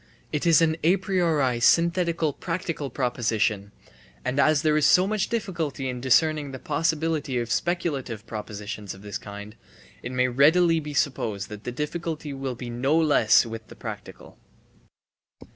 It is an a priori synthetical practical proposition; * and as there is so much difficulty in discerning the possibility of speculative propositions of this kind, it may readily be supposed that the difficulty will be no less with the practical.